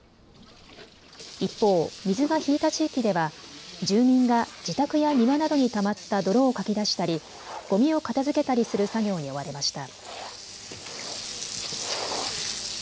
一方、水が引いた地域では住民が自宅や庭などにたまった泥をかき出したり、ごみを片づけたりする作業に追われました。